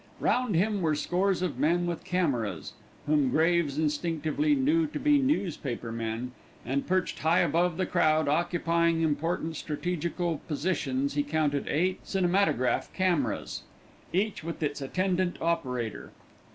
Round him were scores of men with cameras, whom Graves instinctively knew to be newspaper men; and perched high above the crowd occupying important strategical positions he counted eight cinematograph cameras, each with its attendant operator.